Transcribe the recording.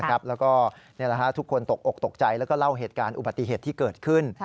แล้วก็ทุกคนตกอกตกใจแล้วก็เล่าเหตุการณ์อุบัติเหตุที่เกิดขึ้น